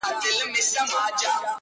بېګا مي خوب کي لیدل لویه تماشه یمه زه,